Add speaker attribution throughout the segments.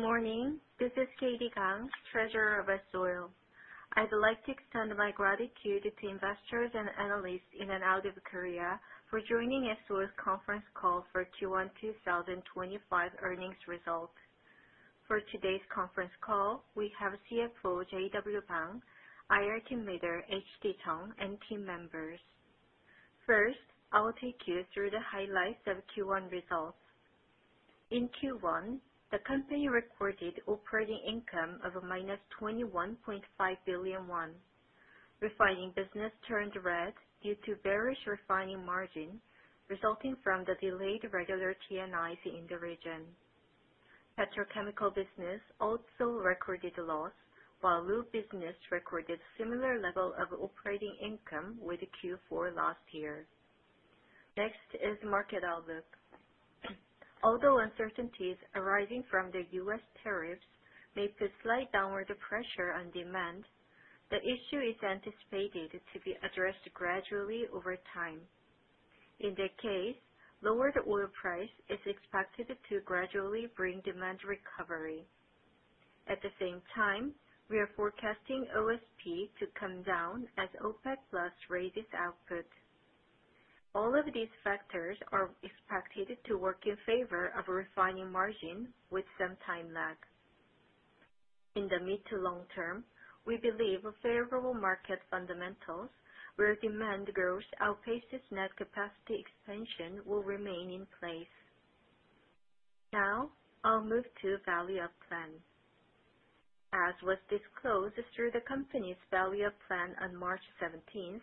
Speaker 1: Morning. This is Katie Gang, Treasurer of S-Oil. I'd like to extend my gratitude to investors and analysts in and out of Korea for joining S-Oil's conference call for Q1 2025 earnings results. For today's conference call, we have CFO J.W. Bang, IR team leader H.D. Chung, and team members. First, I will take you through the highlights of Q1 results. In Q1, the company recorded operating income of -21.5 billion won. Refining business turned red due to bearish refining margin, resulting from the delayed regular T&Is in the region. Petrochemical business also recorded a loss, while lube business recorded similar level of operating income with Q4 last year. Next is market outlook. Although uncertainties arising from the U.S. tariffs may put slight downward pressure on demand, the issue is anticipated to be addressed gradually over time. In that case, lower oil price is expected to gradually bring demand recovery. At the same time, we are forecasting OSP to come down as OPEC+ raises output. All of these factors are expected to work in favor of refining margin with some time lag. In the mid to long term, we believe favorable market fundamentals where demand growth outpaces net capacity expansion will remain in place. Now I'll move to value-up plan. As was disclosed through the company's value-up plan on March 17,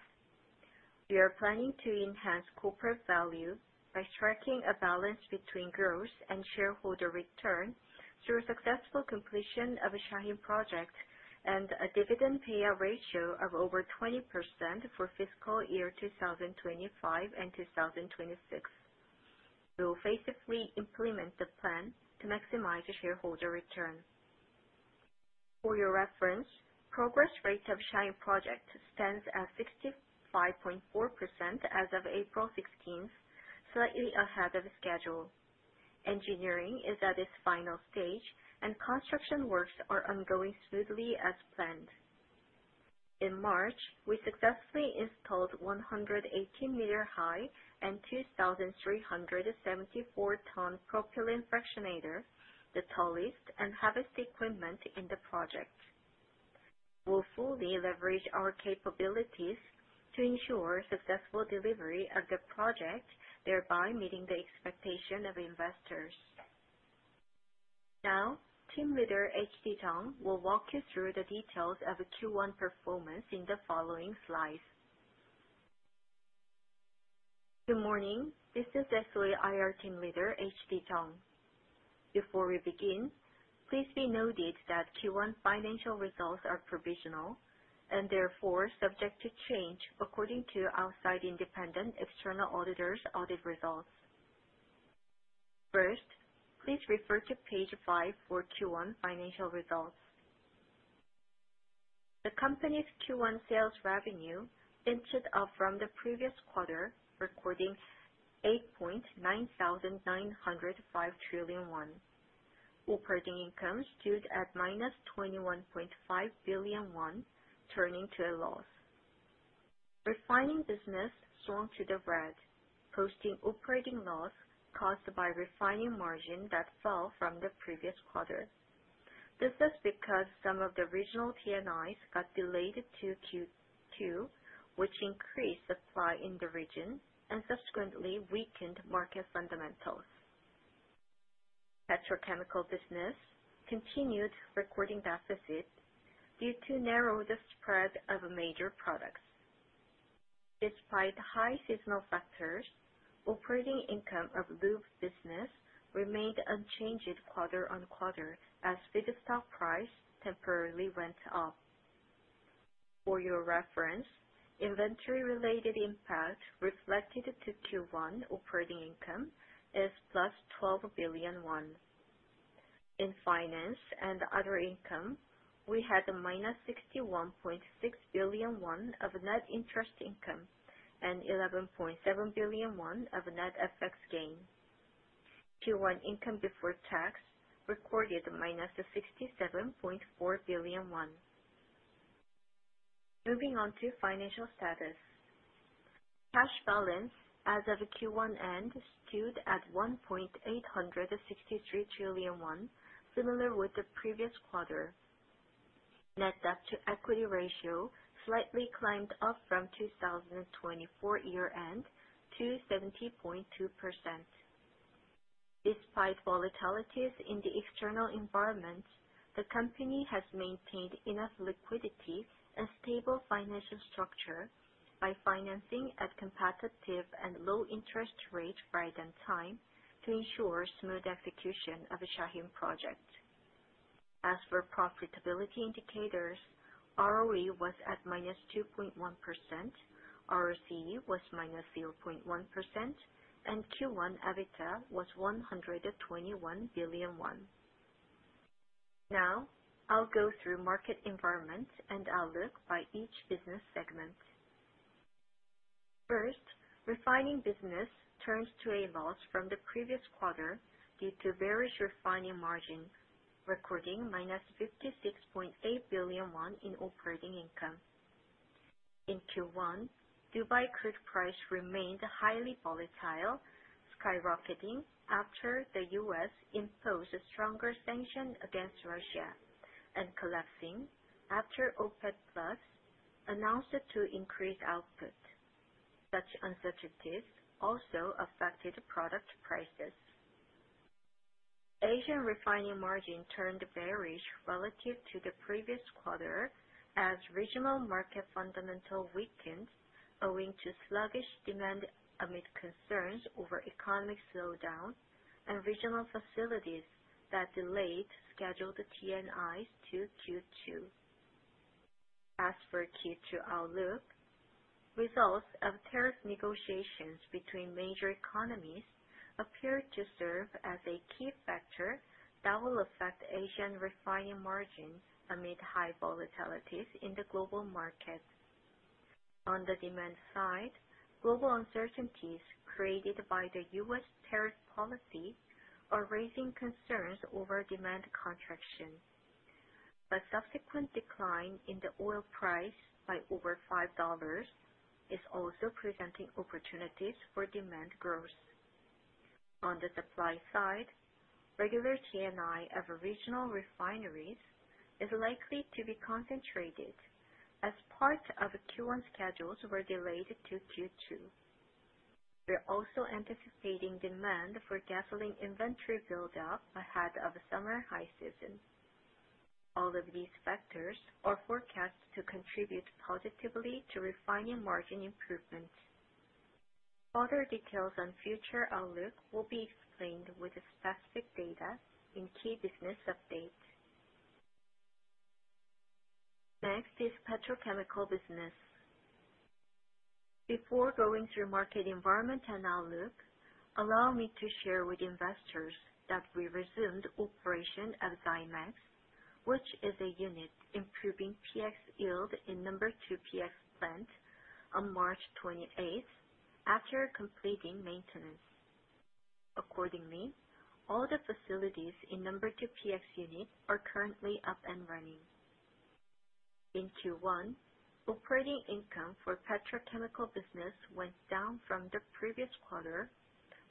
Speaker 1: we are planning to enhance corporate value by striking a balance between growth and shareholder return through successful completion of the Shaheen Project and a dividend payout ratio of over 20% for FY 2025 and 2026. We will phasedly implement the plan to maximize shareholder return. For your reference, progress rate of Shaheen Project stands at 65.4% as of April 16, slightly ahead of schedule.
Speaker 2: Engineering is at its final stage and construction works are ongoing smoothly as planned. In March, we successfully installed 118-meter high and 2,374 ton propylene fractionator, the tallest and heaviest equipment in the project. We'll fully leverage our capabilities to ensure successful delivery of the project, thereby meeting the expectation of investors. Now, team leader H.D. Chung will walk you through the details of Q1 performance in the following slides. Good morning. This is S-Oil IR team leader H.D. Chung. Before we begin, please be noted that Q1 financial results are provisional and therefore subject to change according to outside independent external auditors' audit results. First, please refer to page five for Q1 financial results. The company's Q1 sales revenue inched up from the previous quarter, recording 8.9905 trillion won. Operating income stood at -21.5 billion won, turning to a loss.
Speaker 1: Refining business swung to the red, posting operating loss caused by refining margin that fell from the previous quarter. This is because some of the regional T&Is got delayed to Q2, which increased supply in the region and subsequently weakened market fundamentals. Petrochemical business continued recording deficits due to narrow the spread of major products. Despite high seasonal factors, operating income of lube business remained unchanged quarter-on-quarter as feedstock price temporarily went up. For your reference, inventory related impact reflected to Q1 operating income is plus 12 billion won. In finance and other income, we had -61.6 billion won of net interest income and 11.7 billion won of net FX gain. Q1 income before tax recorded -67.4 billion KRW. Moving on to financial status. Cash balance as of Q1 end stood at 1.863 trillion won, similar with the previous quarter. Net debt to equity ratio slightly climbed up from 2024 year-end to 70.2%. Despite volatilities in the external environment, the company has maintained enough liquidity and stable financial structure by financing at competitive and low interest rates prior than time to ensure smooth execution of the Shaheen project. As for profitability indicators, ROE was at -2.1%, ROCE was -0.1%, and Q1 EBITDA was 121 billion won. Now I'll go through market environment and outlook by each business segment. First, refining business turns to a loss from the previous quarter due to bearish refining margin, recording -56.8 billion won in operating income. In Q1, Dubai crude price remained highly volatile, skyrocketing after the U.S. imposed a stronger sanction against Russia, and collapsing after OPEC+ announced to increase output. Such uncertainties also affected product prices. Asian refining margin turned bearish relative to the previous quarter, as regional market fundamental weakened owing to sluggish demand amid concerns over economic slowdown and regional facilities that delayed scheduled T&Is to Q2. As for Q2 outlook, results of tariff negotiations between major economies appear to serve as a key factor that will affect Asian refining margins amid high volatilities in the global market. On the demand side, global uncertainties created by the U.S. tariff policy are raising concerns over demand contraction. A subsequent decline in the oil price by over 5 dollars is also presenting opportunities for demand growth. On the supply side, regular T&I of regional refineries is likely to be concentrated as part of the Q1 schedules were delayed to Q2. We're also anticipating demand for gasoline inventory build-up ahead of the summer high season. All of these factors are forecast to contribute positively to refining margin improvement. Further details on future outlook will be explained with specific data in key business updates. Next is petrochemical business. Before going through market environment and outlook, allow me to share with investors that we resumed operation of XyMax, which is a unit improving PX yield in number two PX plant, on March 28th, after completing maintenance. Accordingly, all the facilities in number two PX unit are currently up and running. In Q1, operating income for petrochemical business went down from the previous quarter,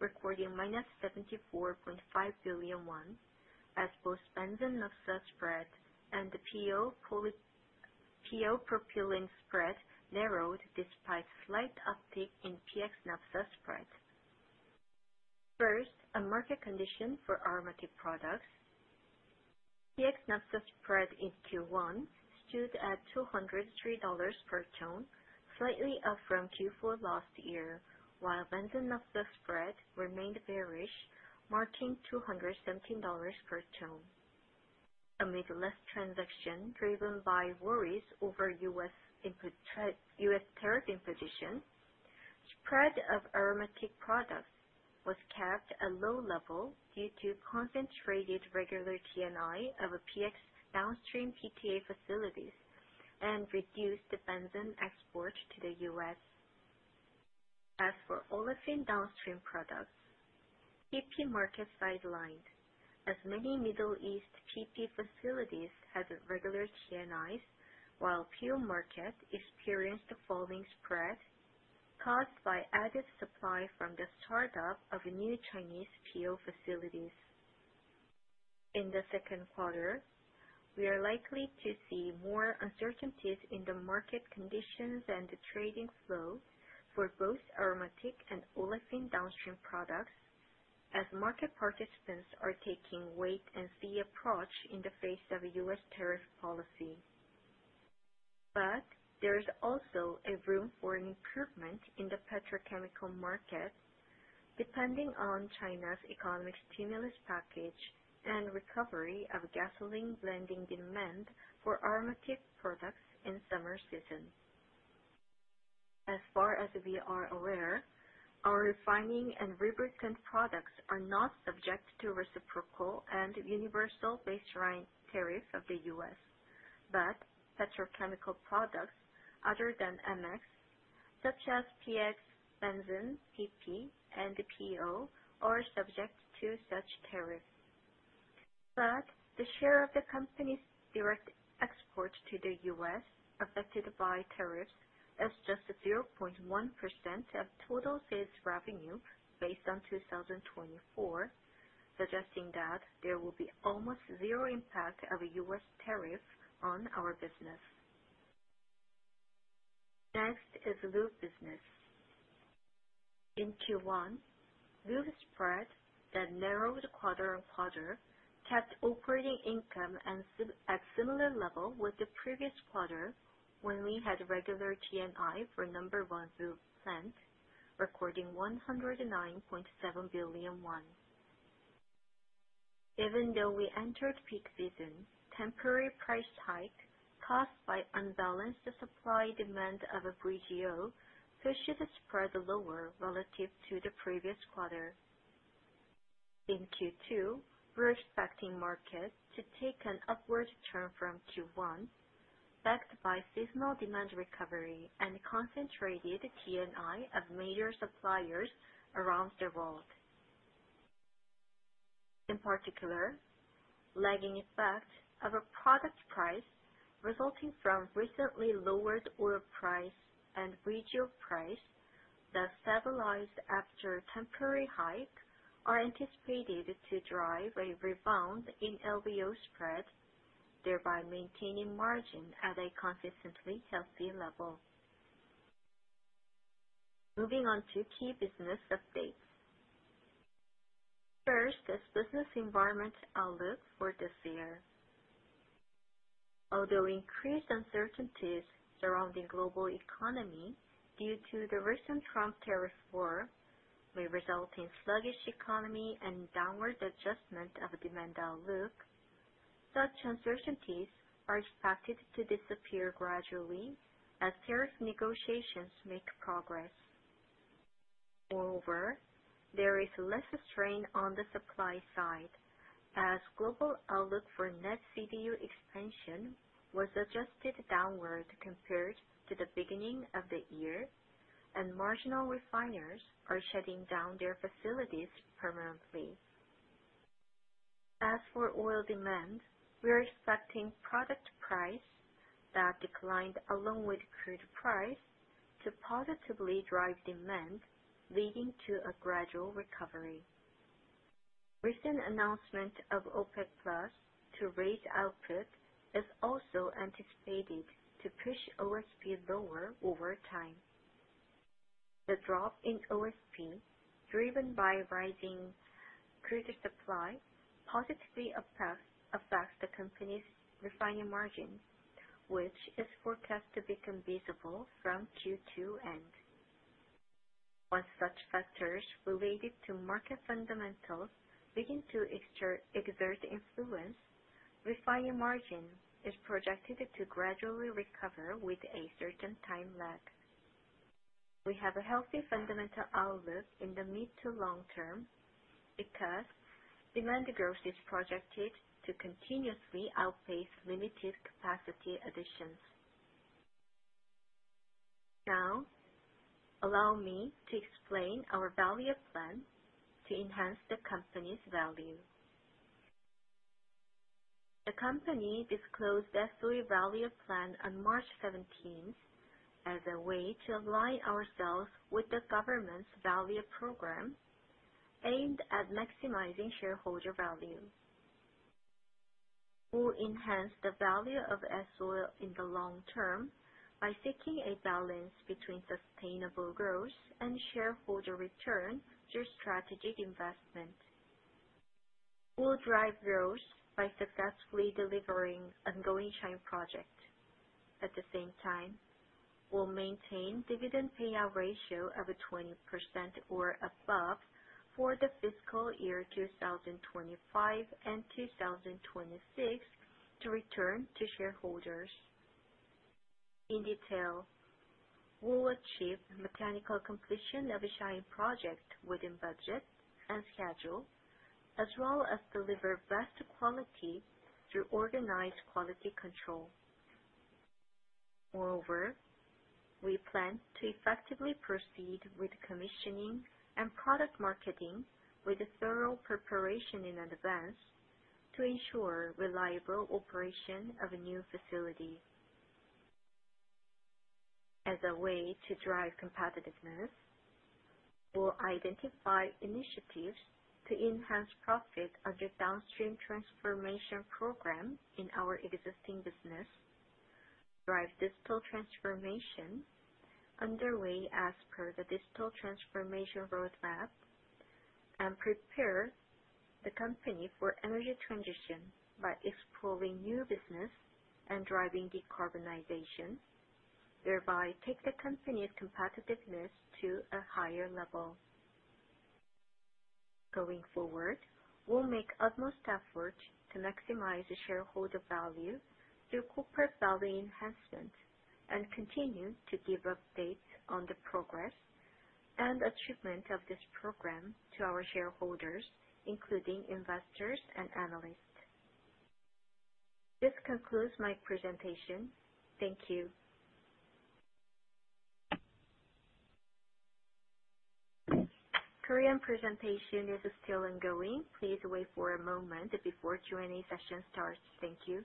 Speaker 1: recording -74.5 billion won in operating income, as both benzene naphtha spread and the PO propylene spread narrowed, despite slight uptick in PX naphtha spread. First, a market condition for aromatic products. PX naphtha spread in Q1 stood at 203 dollars per ton, slightly up from Q4 last year, while benzene naphtha spread remained bearish, marking 217 dollars per ton. Amid less transaction driven by worries over U.S. tariff imposition, spread of aromatic products was kept at low level due to concentrated regular T&I of a PX downstream PTA facilities and reduced benzene export to the U.S. As for olefin downstream products, PP market sidelined as many Middle East PP facilities had regular T&Is, while PO market experienced a falling spread caused by added supply from the start-up of new Chinese PO facilities. In the second quarter, we are likely to see more uncertainties in the market conditions and the trading flow for both aromatic and olefin downstream products, as market participants are taking wait and see approach in the face of U.S. tariff policy. There is also a room for an improvement in the petrochemical market depending on China's economic stimulus package and recovery of gasoline blending demand for aromatic products in summer season. As far as we are aware, our refining and lubricant products are not subject to reciprocal and universal baseline tariff of the U.S., but petrochemical products other than MX, such as PX, benzene, PP and PO, are subject to such tariff. The share of the company's direct export to the U.S. affected by tariffs is just 0.1% of total sales revenue based on 2024, suggesting that there will be almost zero impact of U.S. tariff on our business. Next is lube business. In Q1, lube spread that narrowed quarter-over-quarter kept operating income at similar level with the previous quarter, when we had regular T&I for number 1 lube plant, recording 109.7 billion won. Even though we entered peak season, temporary price hike caused by unbalanced supply, demand of a VGO, pushed the spread lower relative to the previous quarter. In Q2, we're expecting markets to take an upward turn from Q1, backed by seasonal demand recovery and concentrated T&Is of major suppliers around the world. In particular, lagging effect of a product price resulting from recently lowered oil price and regional price that stabilized after temporary hike, are anticipated to drive a rebound in LBO spread, thereby maintaining margin at a consistently healthy level. Moving on to key business updates. First, the business environment outlook for this year. Although increased uncertainties surrounding global economy due to the recent Trump tariff war may result in sluggish economy and downward adjustment of demand outlook, such uncertainties are expected to disappear gradually as tariff negotiations make progress. Moreover, there is less strain on the supply side as global outlook for net CDU expansion was adjusted downward compared to the beginning of the year, and marginal refiners are shutting down their facilities permanently. As for oil demand, we're expecting product price that declined along with crude price to positively drive demand, leading to a gradual recovery. Recent announcement of OPEC+ to raise output is also anticipated to push OSP lower over time. The drop in OSP, driven by rising crude supply, positively affects the company's refining margin, which is forecast to become visible from Q2 end. Once such factors related to market fundamentals begin to exert influence, refining margin is projected to gradually recover with a certain time lag. We have a healthy fundamental outlook in the mid to long term because demand growth is projected to continuously outpace limited capacity additions. Now, allow me to explain our value-up plan to enhance the company's value. The company disclosed the S-Oil value-up plan on March 17th, as a way to align ourselves with the government's Value-up Program, aimed at maximizing shareholder value. We'll enhance the value of S-Oil in the long term by seeking a balance between sustainable growth and shareholder return through strategic investment. We'll drive growth by successfully delivering ongoing Shaheen Project. At the same time, we'll maintain dividend payout ratio of 20% or above for the fiscal year 2025 and 2026 to return to shareholders. In detail, we'll achieve mechanical completion of the Shaheen Project within budget and schedule, as well as deliver best quality through organized quality control. Moreover, we plan to effectively proceed with commissioning and product marketing with a thorough preparation in advance to ensure reliable operation of a new facility. As a way to drive competitiveness, we'll identify initiatives to enhance profit under Downstream Transformation Program in our existing business, drive Digital Transformation underway as per the Digital Transformation Roadmap, and prepare the company for energy transition by exploring new business and driving decarbonization, thereby take the company's competitiveness to a higher level. Going forward, we'll make utmost effort to maximize shareholder value through Corporate Value Enhancement and continue to give updates on the progress and achievement of this program to our shareholders, including investors and analysts. This concludes my presentation. Thank you. Korean presentation is still ongoing. Please wait for a moment before Q&A session starts. Thank you.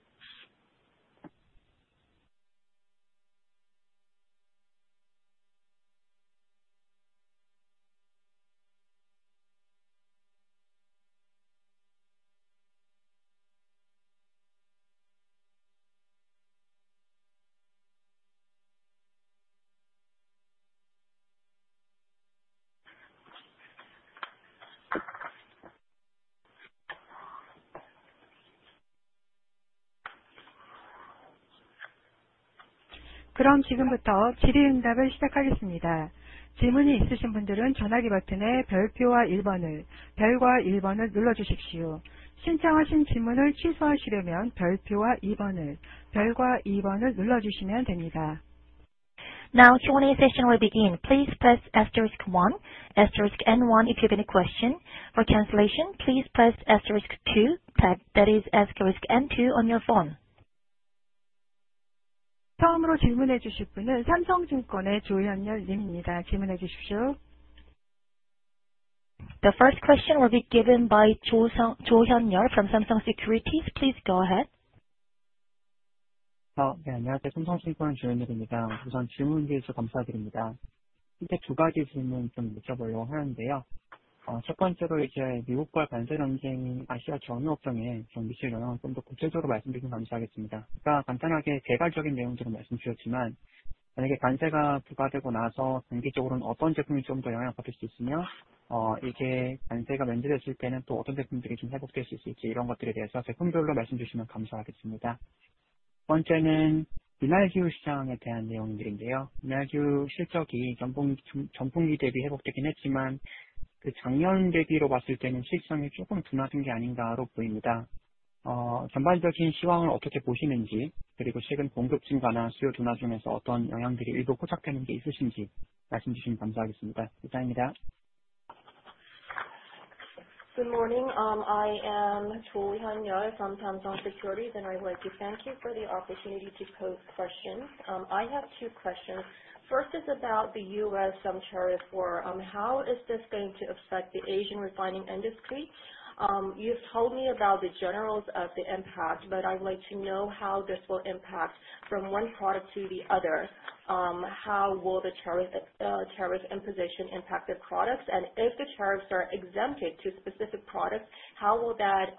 Speaker 3: Q&A session will begin. Please press asterisk one, asterisk N1 if you have any question. For cancellation, please press asterisk two, that is asterisk N2 on your phone.
Speaker 4: 처음으로 질문해 주실 분은 삼성증권의 조현렬 님입니다. 질문해 주십시오.
Speaker 3: The first question will be given by Jo Hyun-ryeol from Samsung Securities. Please go ahead.
Speaker 5: 안녕하세요. 삼성증권 조현렬입니다. 우선 질문 기회 주셔서 감사드립니다. 실제 두 가지 질문 좀 여쭤보려고 하는데요. 첫 번째로 미국과 관세 전쟁이 아시아 정유 업종에 미칠 영향, 좀더 구체적으로 말씀해 주시면 감사하겠습니다. 아까 간단하게 개괄적인 내용들은 말씀해 주셨지만, 만약에 관세가 부과되고 나서 단기적으로는 어떤 제품이 좀더 영향받을 수 있으며, 이게 관세가 면제됐을 때는 또 어떤 제품들이 회복될 수 있을지, 이런 것들에 대해서 제품별로 말씀해 주시면 감사하겠습니다. 두 번째는 윤활유 시장에 대한 내용들인데요. 윤활유 실적이 전분기 대비 회복되긴 했지만, 작년 대비로 봤을 때는 실적이 조금 둔화된 게 아닌가로 보입니다. 전반적인 시황은 어떻게 보시는지, 그리고 최근 공급 증가나 수요 둔화 중에서 어떤 영향들이 일부 포착되는 게 있으신지 말씀해 주시면 감사하겠습니다. 이상입니다.
Speaker 3: Good morning. I am Jo Hyun-ryeol from Samsung Securities. I would like to thank you for the opportunity to pose questions. I have two questions. First is about the U.S.-China tariff war. How is this going to affect the Asian refining industry? You've told me about the generalities of the impact, but I would like to know how this will impact from one product to the other. How will the tariff imposition impact the products? If the tariffs are exempted to specific products, how will that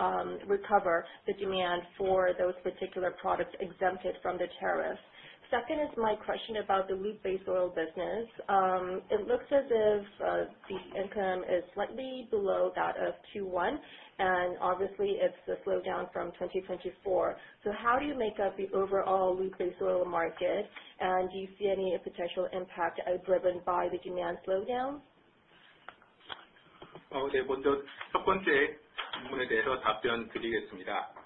Speaker 3: recover the demand for those particular products exempted from the tariff? Second is my question about the Lube Base Oil business. It looks as if the income is slightly below that of Q1, and obviously it's the slowdown from 2024. How do you make up the overall Lube Base Oil market? Do you see any potential impact as driven by the demand slowdown?
Speaker 6: 먼저 첫 번째 질문에 대해서 답변드리겠습니다.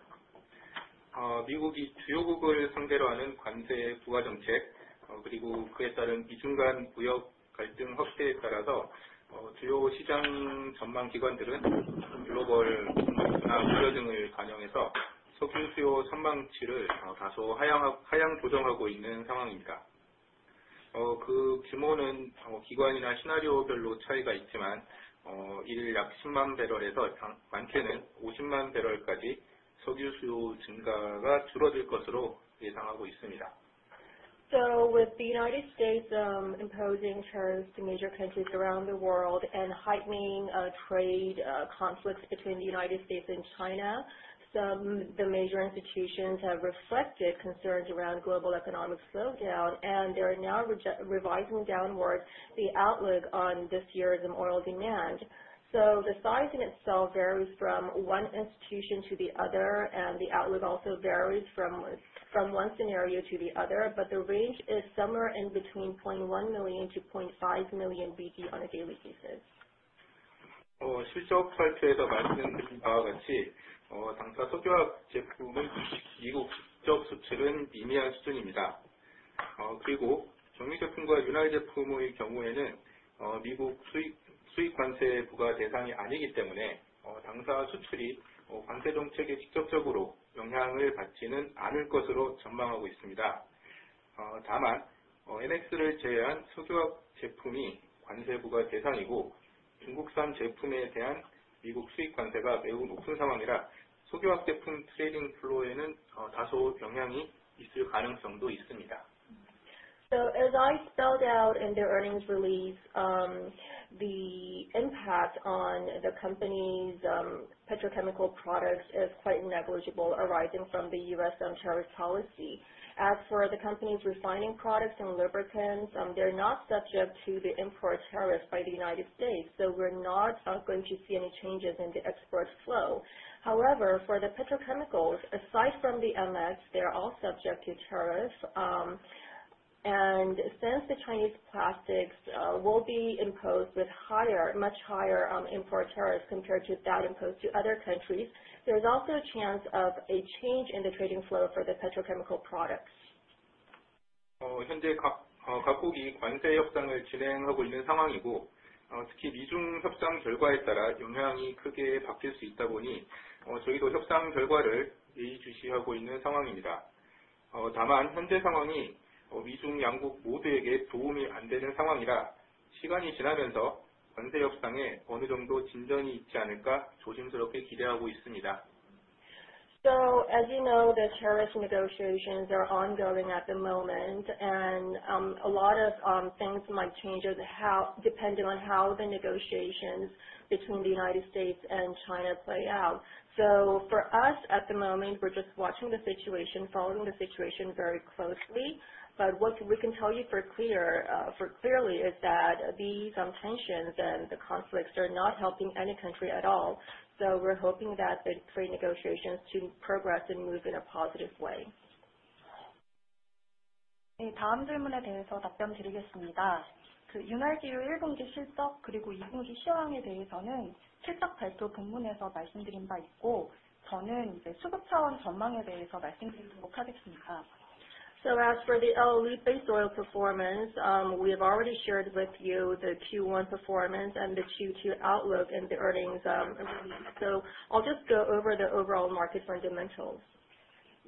Speaker 6: 미국이 주요국을 상대로 하는 관세 부과 정책, 그리고 그에 따른 미중간 무역 갈등 확대에 따라서 주요 시장 전망 기관들은 글로벌 성장세 둔화 등을 반영해서 석유 수요 전망치를 다소 하향 조정하고 있는 상황입니다. 그 규모는 기관이나 시나리오별로 차이가 있지만, 일약 10만 배럴에서 많게는 50만 배럴까지 석유 수요 증가가 줄어들 것으로 예상하고 있습니다.
Speaker 3: With the U.S. imposing tariffs to major countries around the world and heightening trade conflicts between the U.S. and China, the major institutions have reflected concerns around global economic slowdown, they are now revising downwards the outlook on this year's oil demand. The size in itself varies from one institution to the other, and the outlook also varies from one scenario to the other. The range is somewhere in between 0.1 million to 0.5 million BD on a daily basis.
Speaker 6: 실적 발표에서 말씀드린 바와 같이, 당사 석유화학 제품은 미국 직접 수출은 미미한 수준입니다. 그리고 정밀화학 제품과 윤활 제품의 경우에는 미국 수입 관세 부과 대상이 아니기 때문에 당사 수출이 관세 정책에 직접적으로 영향을 받지는 않을 것으로 전망하고 있습니다. 다만 MX를 제외한 석유화학 제품이 관세 부과 대상이고, 중국산 제품에 대한 미국 수입 관세가 매우 높은 상황이라 석유화학 제품 트레이딩 플로어에는 다소 영향이 있을 가능성도 있습니다.
Speaker 3: As I spelled out in the earnings release, the impact on the company's petrochemical products is quite negligible, arising from the U.S. on tariff policy. As for the company's refining products and lubricants, they're not subject to the import tariffs by the U.S. We're not going to see any changes in the export flow. However, for the petrochemicals, aside from the MX, they're all subject to tariffs. Since the Chinese plastics will be imposed with much higher import tariffs compared to that imposed to other countries, there's also a chance of a change in the trading flow for the petrochemical products.
Speaker 6: 현재 각국이 관세 협상을 진행하고 있는 상황이고, 특히 미중 협상 결과에 따라 영향이 크게 바뀔 수 있다 보니 저희도 협상 결과를 예의주시하고 있는 상황입니다. 다만 현재 상황이 미중 양국 모두에게 도움이 안 되는 상황이라 시간이 지나면서 관세 협상에 어느 정도 진전이 있지 않을까 조심스럽게 기대하고 있습니다.
Speaker 3: As you know, the tariff negotiations are ongoing at the moment. A lot of things might change depending on how the negotiations between the U.S. and China play out. For us at the moment, we're just watching the situation, following the situation very closely. What we can tell you clearly is that these tensions and the conflicts are not helping any country at all. We're hoping that the trade negotiations to progress and move in a positive way.
Speaker 4: 다음 질문에 대해서 답변드리겠습니다. 윤활유 1분기 실적 그리고 2분기 시황에 대해서는 실적 발표 문건에서 말씀드린 바 있고, 저는 수급 차원 전망에 대해서 말씀드리도록 하겠습니다.
Speaker 3: As for the lube base oil performance, we have already shared with you the Q1 performance and the Q2 outlook and the earnings. I'll just go over the overall market fundamentals.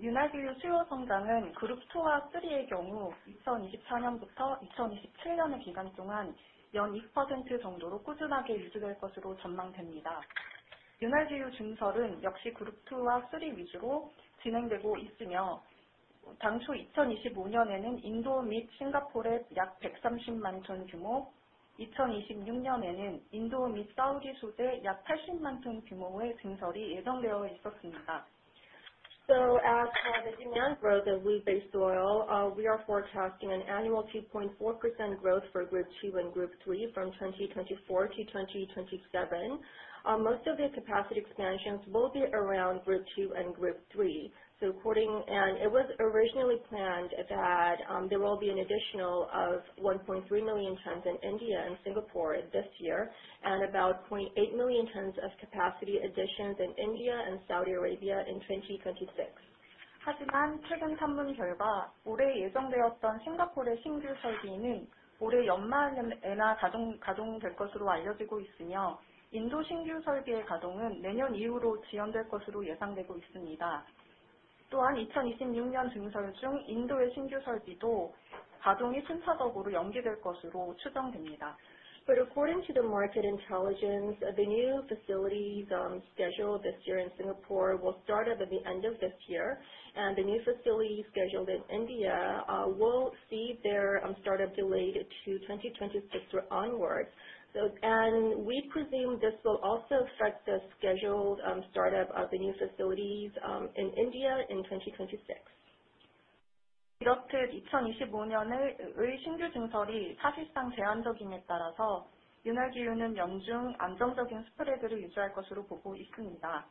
Speaker 6: 윤활기유 수요 성장은 그룹 II와 III의 경우 2024년부터 2027년의 기간 동안 연 2% 정도로 꾸준하게 유지될 것으로 전망됩니다. 윤활기유 증설은 역시 그룹 II와 III 위주로 진행되고 있으며, 당초 2025년에는 인도 및 싱가포르에 약 130만 톤 규모, 2026년에는 인도 및 사우디 소재 약 80만 톤 규모의 증설이 예정되어 있었습니다.
Speaker 3: As for the demand growth of lube base oil, we are forecasting an annual 2.4% growth for Group 2 and Group 3 from 2024 to 2027. Most of the capacity expansions will be around Group 2 and Group 3. It was originally planned that there will be an additional of 1.3 million tons in India and Singapore this year and about 0.8 million tons of capacity additions in India and Saudi Arabia in 2026.
Speaker 6: 하지만 최근 탐문 결과 올해 예정되었던 싱가포르의 신규 설비는 올해 연말에나 가동될 것으로 알려지고 있으며, 인도 신규 설비의 가동은 내년 이후로 지연될 것으로 예상되고 있습니다. 또한 2026년 증설 중 인도의 신규 설비도 가동이 순차적으로 연기될 것으로 추정됩니다.
Speaker 3: According to the market intelligence, the new facilities schedule this year in Singapore will start at the end of this year, the new facilities scheduled in India will see their startup delayed to 2026 or onwards. We presume this will also affect the scheduled startup of the new facilities in India in 2026.
Speaker 6: 이렇듯 2025년의 신규 증설이 사실상 제한적이므로, 윤활기유는 연중 안정적인 스프레드를 유지할 것으로 보고 있습니다.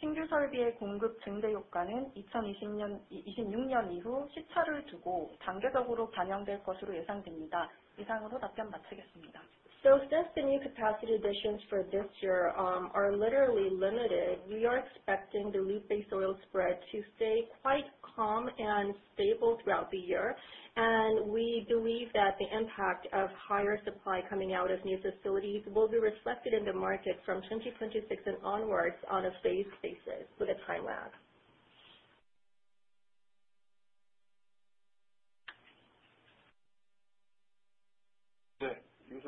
Speaker 6: 신규 설비의 공급 증대 효과는 2026년 이후 시차를 두고 단계적으로 반영될 것으로 예상됩니다. 이상으로 답변 마치겠습니다.
Speaker 3: Since the new capacity additions for this year are literally limited, we are expecting the lube base oil spread to stay quite calm and stable throughout the year. We believe that the impact of higher supply coming out of new facilities will be reflected in the market from 2026 and onwards on a phased basis with a time lag.
Speaker 2: 네, 여기서 답변을 마치겠습니다.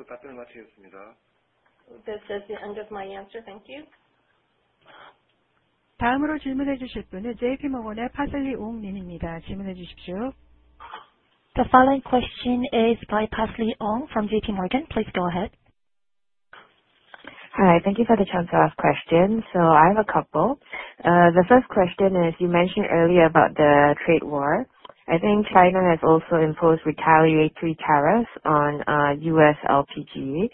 Speaker 3: This is the end of my answer. Thank you.
Speaker 4: 다음으로 질문해 주실 분은 JP Morgan의 Parsley Ong 님입니다. 질문해 주십시오.
Speaker 3: The following question is by Parsley Ong from JP Morgan. Please go ahead.
Speaker 7: Hi. Thank you for the chance to ask questions. I have a couple. The first question is, you mentioned earlier about the trade war. China has also imposed retaliatory tariffs on U.S. LPG.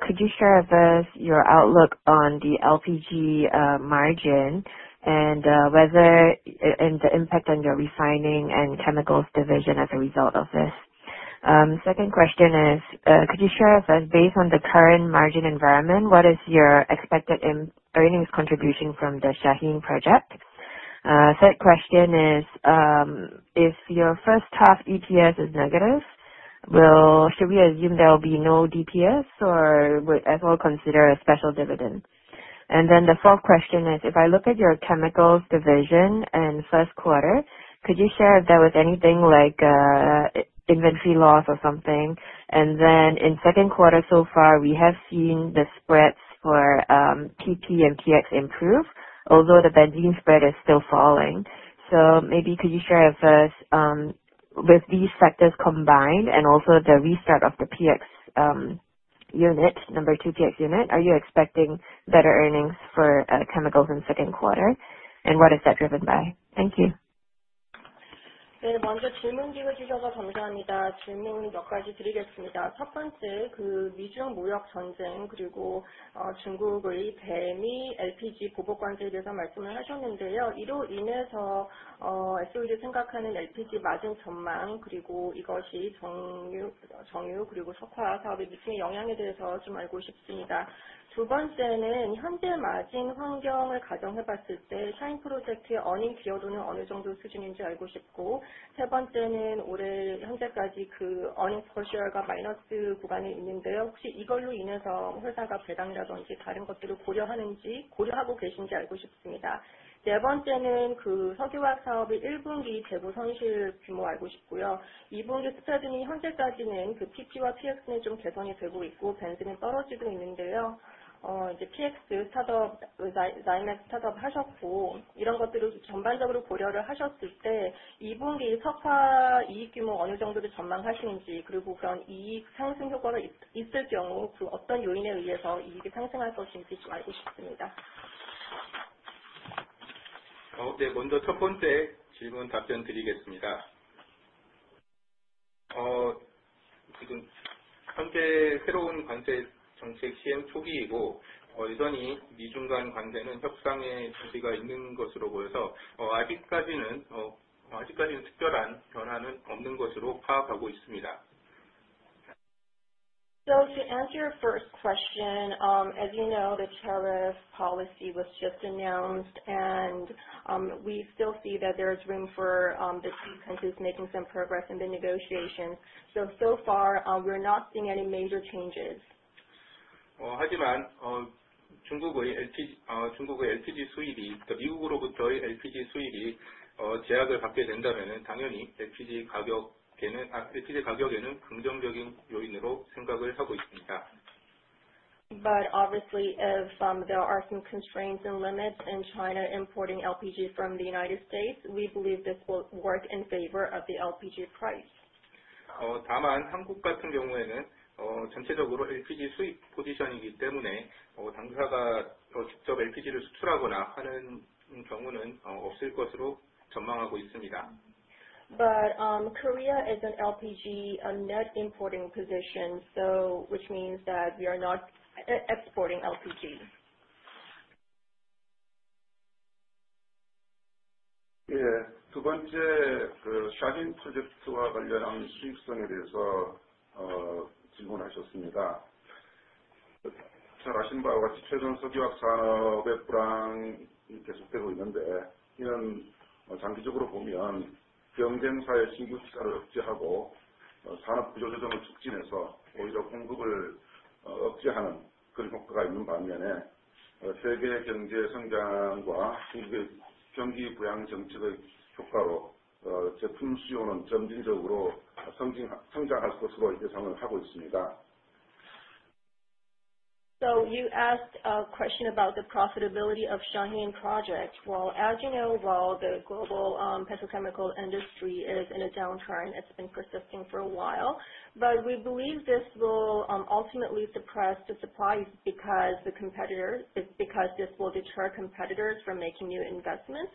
Speaker 7: Could you share with us your outlook on the LPG margin and the impact on your refining and chemicals division as a result of this? Second question is could you share with us, based on the current margin environment, what is your expected earnings contribution from the Shaheen Project? Third question is, if your first half EPS is negative, should we assume there will be no DPS or would S-Oil consider a special dividend? The fourth question is, if I look at your chemicals division and first quarter, could you share if there was anything like inventory loss or something?
Speaker 6: In second quarter so far, we have seen the spreads for PP and PX improve, although the benzene spread is still falling. Maybe could you share with us with these factors combined and also the restart of the PX unit, number 2 PX unit, are you expecting better earnings for chemicals in second quarter? What is that driven by? Thank you.
Speaker 2: 네, 먼저 질문 기회 주셔서 감사합니다. 질문을 몇 가지 드리겠습니다. 첫 번째, 미중 무역 전쟁 그리고 중국의 대미 LPG 보복 관세에 대해서 말씀을 하셨는데요. 이로 인해서 S-Oil이 생각하는 LPG 마진 전망, 그리고 이것이 정유 그리고 석화 사업에 미치는 영향에 대해서 알고 싶습니다. 두 번째는 현재 마진 환경을 가정해 봤을 때 샤힌 프로젝트의 어닝 기여도는 어느 정도 수준인지 알고 싶고, 세 번째는 올해 현재까지 EPS가 마이너스 구간에 있는데요. 혹시 이걸로 인해서 회사가 배당이라든지 다른 것들을 고려하고 계신지 알고 싶습니다. 네 번째는 석유화학 사업의 1분기 재무 손실 규모 알고 싶고요. 2분기 스프레드는 현재까지는 PP와 PX는 개선이 되고 있고 벤젠은 떨어지고 있는데요. PX 스타트업, XyMax 스타트업 하셨고, 이런 것들을 전반적으로 고려를 하셨을 때 2분기 석화 이익 규모 어느 정도로 전망하시는지, 그리고 그런 이익 상승 효과가 있을 경우 어떤 요인에 의해서 이익이 상승할 것인지 알고 싶습니다. 네, 먼저 첫 번째 질문 답변드리겠습니다. 지금 현재 새로운 관세 정책 시행 초기이고, 여전히 미중 간 관세는 협상의 여지가 있는 것으로 보여서 아직까지는 특별한 변화는 없는 것으로 파악하고 있습니다.
Speaker 3: To answer your first question, as you know, the tariff policy was just announced, we still see that there is room for the two countries making some progress in the negotiations. So far, we are not seeing any major changes. Obviously, if there are some constraints and limits in China importing LPG from the United States, we believe this will work in favor of the LPG price. Korea is an LPG net importing position, which means that we are not exporting LPG. You asked a question about the profitability of Shaheen Project. Well, as you know, while the global petrochemical industry is in a downturn, it has been persisting for a while. We believe this will ultimately suppress the supplies because this will deter competitors from making new investments.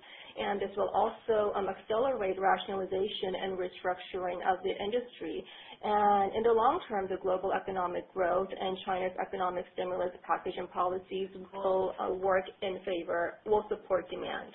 Speaker 3: This will also accelerate rationalization and restructuring of the industry. In the long term, the global economic growth and China's economic stimulus package and policies will support demand.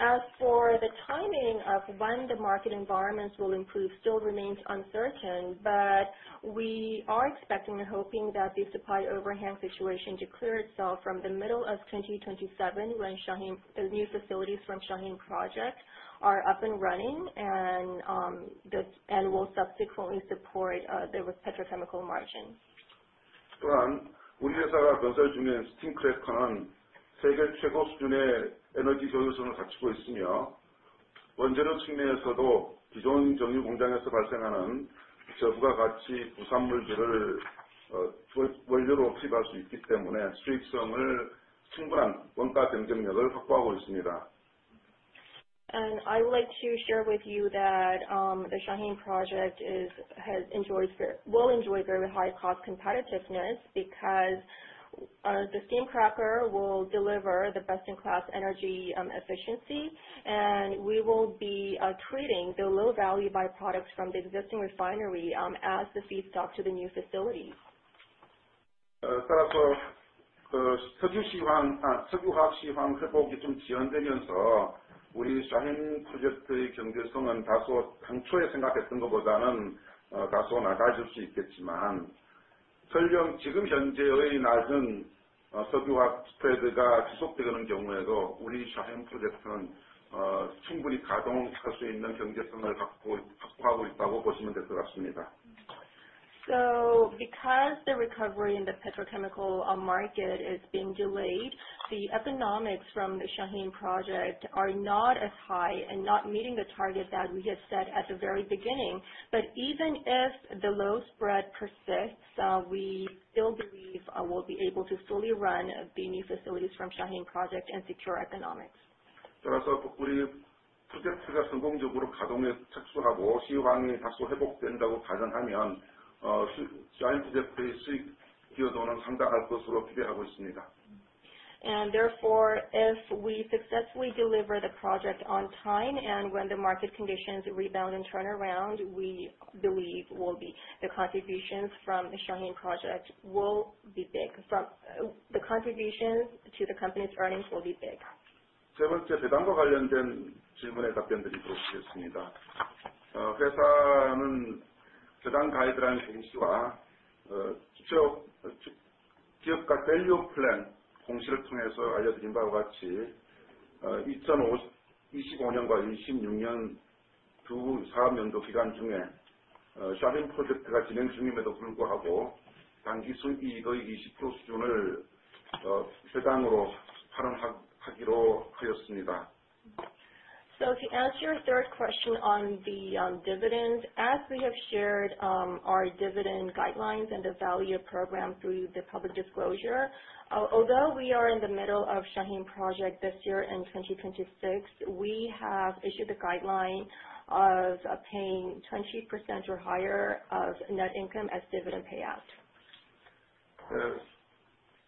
Speaker 3: As for the timing of when the market environments will improve, it still remains uncertain. We are expecting and hoping that the supply overhand situation to clear itself from the middle of 2027, when new facilities from Shaheen Project are up and running, will subsequently support the petrochemical margin. I would like to share with you that the Shaheen Project will enjoy very high-cost competitiveness because the steam cracker will deliver the best-in-class energy efficiency, and we will be treating the low-value byproducts from the existing refinery as the feedstock to the new facility. Because the recovery in the petrochemical market is being delayed, the economics from the Shaheen Project are not as high and not meeting the target that we had set at the very beginning. Even if the low spread persists, we still believe we will be able to fully run the new facilities from Shaheen Project and secure economics. Therefore, if we successfully deliver the project on time and when the market conditions rebound and turn around, we believe the contributions to the company's earnings will be big. To answer your third question on the dividend, as we have shared our dividend guidelines and the value program through the public disclosure, although we are in the middle of Shaheen Project this year, in 2026, we have issued a guideline of paying 20% or higher of net income as dividend payout.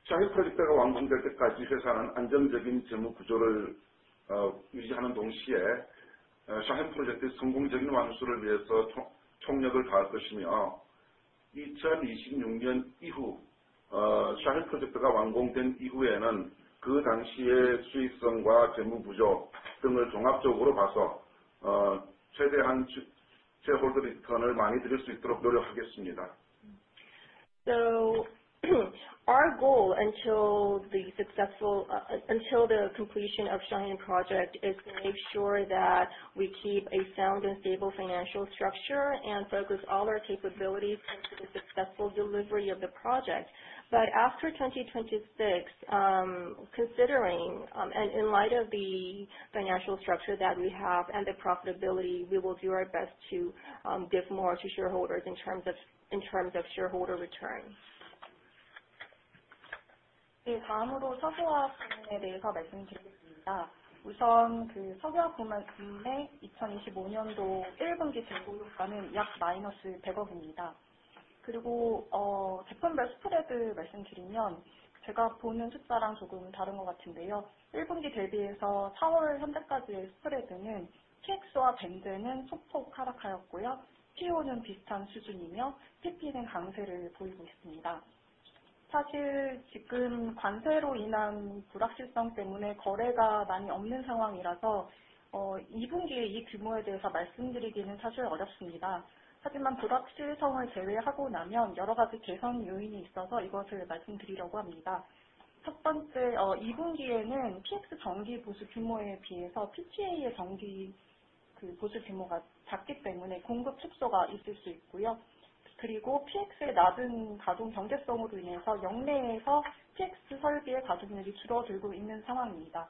Speaker 8: 샤힌 프로젝트가 완공될 때까지 회사는 안정적인 재무 구조를 유지하는 동시에 샤힌 프로젝트의 성공적인 완수를 위해서 총력을 다할 것이며, 2026년 이후 샤힌 프로젝트가 완공된 이후에는 그 당시의 수익성과 재무 구조 등을 종합적으로 봐서 최대한 shareholder return을 많이 드릴 수 있도록 노력하겠습니다.
Speaker 3: Our goal until the completion of Shaheen Project is to make sure that we keep a sound and stable financial structure and focus all our capabilities into the successful delivery of the project. After 2026, considering and in light of the financial structure that we have and the profitability, we will do our best to give more to shareholders in terms of shareholder return.
Speaker 2: 다음으로 석유화학 부문에 대해서 말씀드리겠습니다. 우선 석유화학 부문 2025년도 1분기 재고 효과는 약 마이너스 100억입니다. 그리고 제품별 스프레드 말씀드리면 제가 보는 숫자랑 조금 다른 것 같은데요. 1분기 대비해서 4월 현재까지의 스프레드는 PX와 벤젠은 소폭 하락하였고요. PO는 비슷한 수준이며, PP는 강세를 보이고 있습니다. 사실 지금 관세로 인한 불확실성 때문에 거래가 많이 없는 상황이라서 2분기에 이 규모에 대해서 말씀드리기는 사실 어렵습니다. 하지만 불확실성을 제외하고 나면 여러 가지 개선 요인이 있어서 이것을 말씀드리려고 합니다. 첫 번째, 2분기에는 PX 정기 보수 규모에 비해서 PTA의 정기 보수 규모가 작기 때문에 공급 축소가 있을 수 있고요. 그리고 PX의 낮은 가동 경제성으로 인해서 역내에서 PX 설비의 가동률이 줄어들고 있는 상황입니다.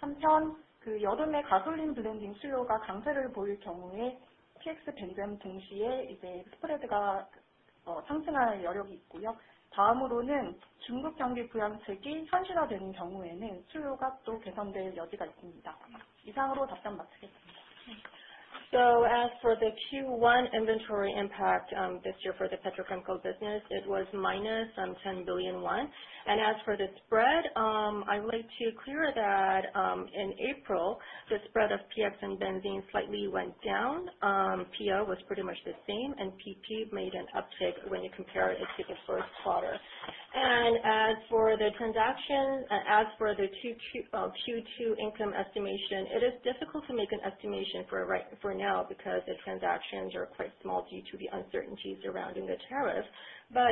Speaker 2: 한편, 여름에 가솔린 블렌딩 수요가 강세를 보일 경우에 PX-벤젠 동시에 스프레드가 상승할 여력이 있고요. 다음으로는 중국 경기 부양책이 현실화되는 경우에는 수요가 또 개선될 여지가 있습니다. 이상으로 답변 마치겠습니다.
Speaker 3: As for the Q1 inventory impact this year for the petrochemical business, it was minus 10 billion won. As for the spread, I would like to clear that in April, the spread of PX and benzene slightly went down. PO was pretty much the same, PP made an uptick when you compare it to the first quarter. As for the Q2 income estimation, it is difficult to make an estimation for now, because the transactions are quite small due to the uncertainties surrounding the tariff.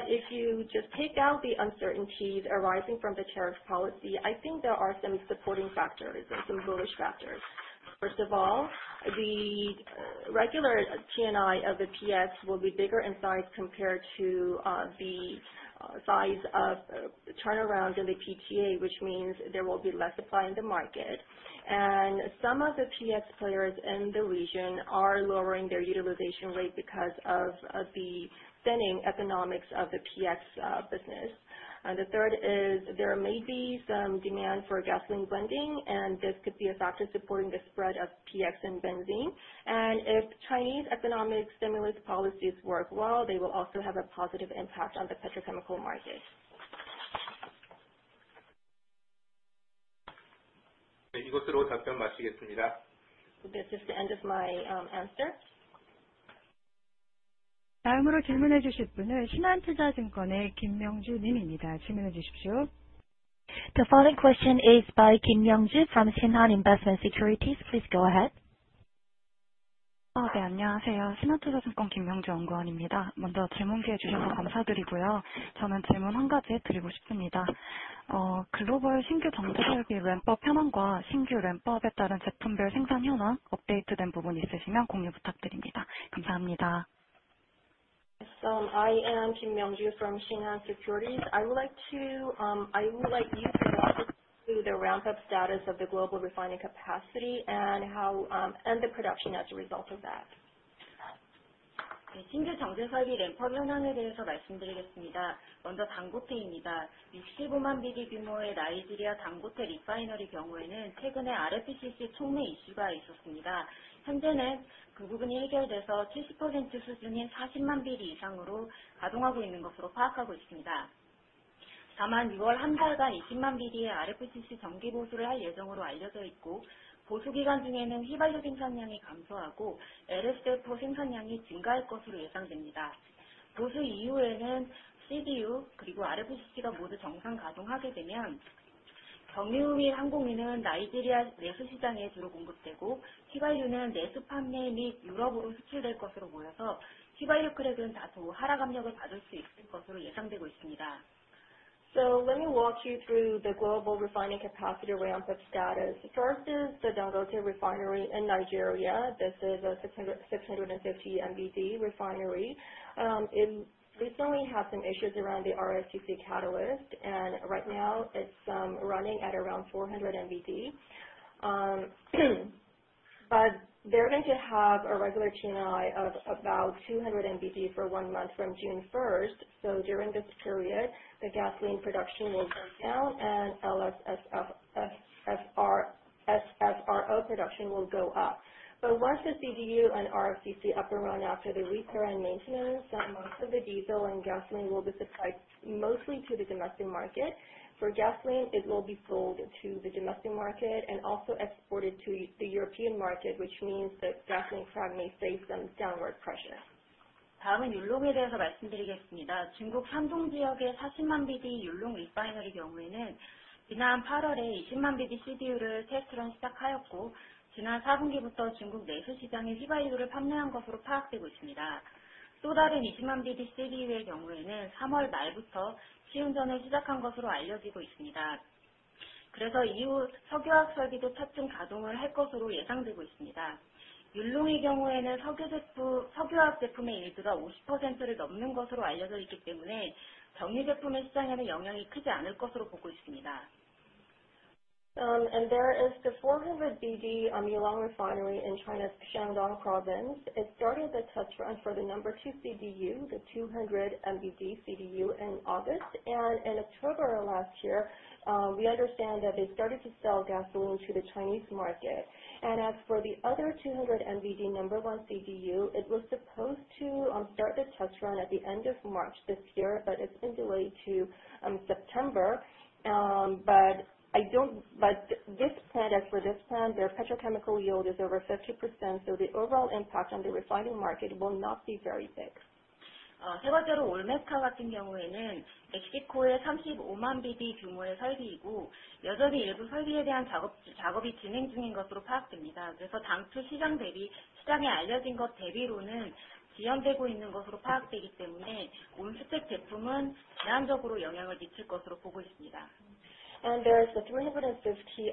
Speaker 3: If you just take out the uncertainties arising from the tariff policy, I think there are some supporting factors or some bullish factors. First of all, the regular T&I of the PX will be bigger in size compared to the size of turnaround in the PTA, which means there will be less supply in the market. Some of the PX players in the region are lowering their utilization rate because of the thinning economics of the PX business. The third is there may be some demand for gasoline blending, and this could be a factor supporting the spread of PX and benzene. If Chinese economic stimulus policies work well, they will also have a positive impact on the petrochemical market.
Speaker 8: 이것으로 답변 마치겠습니다.
Speaker 3: This is the end of my answer.
Speaker 4: 다음으로 질문해 주실 분은 신한투자증권의 김명주 님입니다. 질문해 주십시오.
Speaker 3: The following question is by Kim Myeongju from Shinhan Investment Securities. Please go ahead.
Speaker 9: 네, 안녕하세요. 신한투자증권 김명주 연구원입니다. 먼저 질문 기회 주셔서 감사드리고요. 저는 질문 한 가지 드리고 싶습니다. 글로벌 신규 정제설비 ramp-up 현황과 신규 ramp-up에 따른 제품별 생산 현황 업데이트된 부분 있으시면 공유 부탁드립니다. 감사합니다.
Speaker 3: I am Kim Myeongju from Shinhan Investment Securities. I would like you to walk us through the ramp up status of the global refining capacity and the production as a result of that.
Speaker 6: 신규 정제설비 ramp-up 현황에 대해서 말씀드리겠습니다. 먼저 Dangote입니다. 65만 BD 규모의 나이지리아 Dangote 리파이너리 경우에는 최근에 RFCC shut 이슈가 있었습니다. 현재는 그 부분이 해결돼서 70% 수준인 40만 BD 이상으로 가동하고 있는 것으로 파악하고 있습니다. 다만 6월 한 달간 20만 BD의 RFCC 정기 보수를 할 예정으로 알려져 있고, 보수 기간 중에는 휘발유 생산량이 감소하고 LSFO 생산량이 증가할 것으로 예상됩니다. 보수 이후에는 CDU 그리고 RFCC가 모두 정상 가동하게 되면, 경유 및 항공유는 나이지리아 내수 시장에 주로 공급되고, 휘발유는 내수 판매 및 유럽으로 수출될 것으로 보여서 휘발유 크랙은 다소 하락 압력을 받을 수 있을 것으로 예상되고 있습니다.
Speaker 3: Let me walk you through the global refining capacity ramp-up status. First is the Dangote Refinery in Nigeria. This is a 650MBPD refinery. It recently had some issues around the RFCC catalyst, right now it's running at around 400MBPD. They're going to have a regular T&I of about 200MBPD for one month from June 1st. During this period, the gasoline production will go down and LSFO SSRO production will go up. Once the CDU and RFCC up and run after the repair and maintenance, most of the diesel and gasoline will be supplied mostly to the domestic market. For gasoline, it will be sold to the domestic market and also exported to the European market, which means that gasoline probably may face some downward pressure.
Speaker 6: 다음은 율롱에 대해서 말씀드리겠습니다. 중국 산둥 지역의 40만 BD 율롱 리파이너리 경우에는 지난 8월에 20만 BD CDU를 테스트 런 시작하였고, 지난 4분기부터 중국 내수 시장에 휘발유를 판매한 것으로 파악되고 있습니다. 또 다른 20만 BD CDU의 경우에는 3월 말부터 시운전을 시작한 것으로 알려지고 있습니다. 그래서 이후 석유화학 설비도 차츰 가동을 할 것으로 예상되고 있습니다. 율롱의 경우에는 석유화학 제품의 yield가 50%를 넘는 것으로 알려져 있기 때문에 정유 제품의 시장에는 영향이 크지 않을 것으로 보고 있습니다.
Speaker 3: There is the 400 BD Yulong refinery in China's Shandong province. It started the test run for the number 2 CDU, the 200 MBD CDU in August. In October last year, we understand that they started to sell gasoline to the Chinese market. As for the other 200 MBD number 1 CDU, it was supposed to start the test run at the end of March this year, it's been delayed to September. For this plant, their petrochemical yield is over 50%, the overall impact on the refining market will not be very big.
Speaker 6: 추가적으로 Olmeca 같은 경우에는 멕시코의 35만 BD 규모의 설비이고 여전히 일부 설비에 대한 작업이 진행 중인 것으로 파악됩니다. 그래서 당초 시장에 알려진 것 대비로는 지연되고 있는 것으로 파악되기 때문에 온스펙 제품은 제한적으로 영향을 미칠 것으로 보고 있습니다.
Speaker 3: There is the 350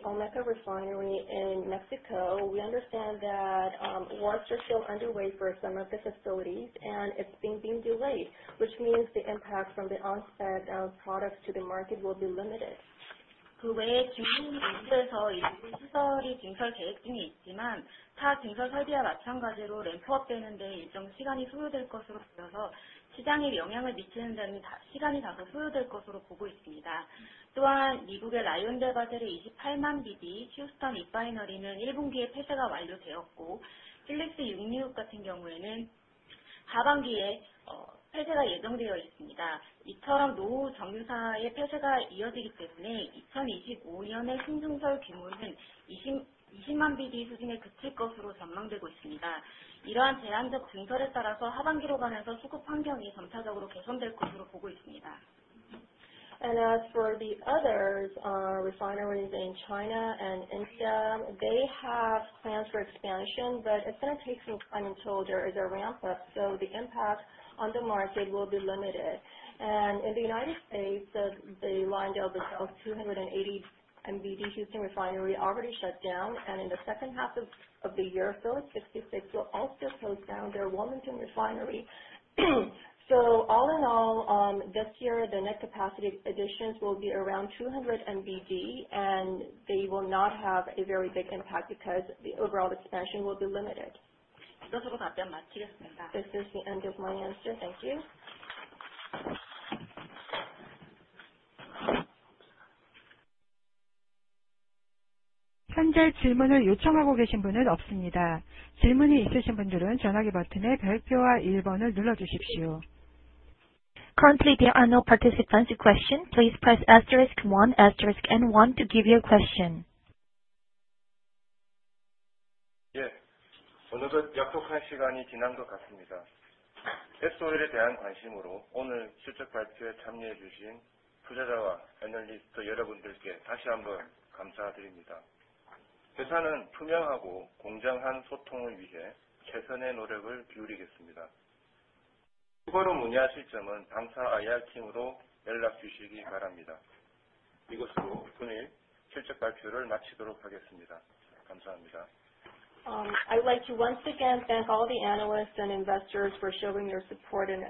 Speaker 3: Olmeca refinery in Mexico. We understand that works are still underway for some of the facilities, it's been being delayed, which means the impact from the onset of products to the market will be limited.
Speaker 6: 그 외에 중국, 인도에서 일부 증설이 증설 계획 중에 있지만 타 증설 설비와 마찬가지로 ramp up되는 데 일정 시간이 소요될 것으로 보여서 시장에 영향을 미치는 데는 시간이 다소 소요될 것으로 보고 있습니다. 또한 미국의 LyondellBasell 28만 BD 휴스턴 리파이너리는 1분기에 폐쇄가 완료되었고, Phillips 66 같은 경우에는 하반기에 폐쇄가 예정되어 있습니다. 이처럼 노후 정유사의 폐쇄가 이어지기 때문에 2025년의 신증설 규모는 20만 BD 수준에 그칠 것으로 전망되고 있습니다. 이러한 제한적 증설에 따라서 하반기로 가면서 수급 환경이 점차적으로 개선될 것으로 보고 있습니다.
Speaker 3: As for the others refineries in China and India, they have plans for expansion, but it's going to take some time until there is a ramp up. The impact on the market will be limited. In the U.S., the LyondellBasell 280 MBD Houston refinery already shut down, and in the second half of the year, Phillips 66 will also close down their Wilmington refinery. All in all, this year the net capacity additions will be around 200 MBD, and they will not have a very big impact because the overall expansion will be limited.
Speaker 6: 이것으로 답변 마치겠습니다.
Speaker 3: This is the end of my answer. Thank you.
Speaker 4: 현재 질문을 요청하고 계신 분은 없습니다. 질문이 있으신 분들은 전화기 버튼의 별표와 1번을 눌러주십시오.
Speaker 1: Currently there are no participants with questions. Please press asterisk 1 asterisk and 1 to give your question. 예, 어느덧 약속한 시간이 지난 것 같습니다. S-Oil에 대한 관심으로 오늘 실적 발표에 참여해 주신 투자자와 애널리스트 여러분들께 다시 한번 감사드립니다. 회사는 투명하고 공정한 소통을 위해 최선의 노력을 기울이겠습니다. 추가로 문의하실 점은 당사 IR팀으로 연락 주시기 바랍니다. 이것으로 분기 실적 발표를 마치도록 하겠습니다. 감사합니다.
Speaker 3: I'd like to once again thank all the analysts and investors for showing your support and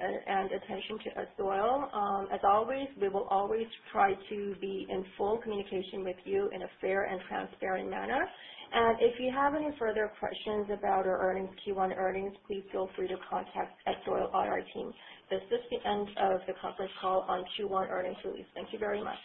Speaker 3: attention to S-Oil. As always, we will always try to be in full communication with you in a fair and transparent manner. If you have any further questions about our Q1 earnings, please feel free to contact S-Oil IR team. This is the end of the conference call on Q1 earnings release. Thank you very much.